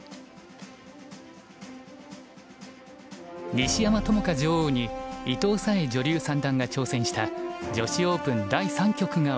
西山朋佳女王に伊藤沙恵女流三段が挑戦した女子オープン第３局が行われました。